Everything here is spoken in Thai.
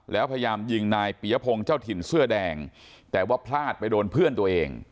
แล้วพยายามยิงนายปียพงศ์เจ้าถิ่นเสื้อแดงแต่ว่าพลาดไปโดนเพื่อนตัวเอง